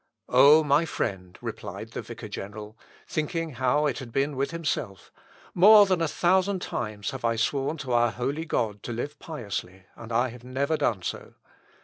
"O my friend," replied the vicar general, thinking how it had been with himself, "more than a thousand times have I sworn to our holy God to live piously, and I have never done so.